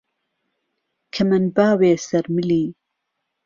کهمهندباوێ سەر ملی